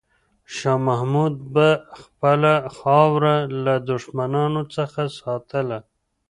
شاه محمود به خپله خاوره له دښمنانو څخه ساتله.